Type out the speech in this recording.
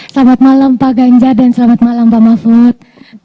selamat malam pak ganjar dan selamat malam pak mahfud